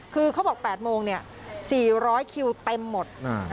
คือเขาบอก๘โมง๔๐๐คิวเต็มหมด